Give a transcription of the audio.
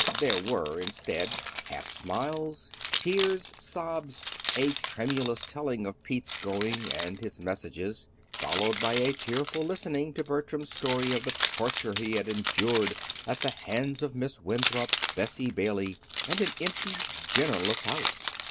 There were, instead, half smiles, tears, sobs, a tremulous telling of Pete's going and his messages, followed by a tearful listening to Bertram's story of the torture he had endured at the hands of Miss Winthrop, Bessie Bailey, and an empty, dinnerless house.